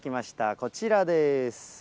こちらです。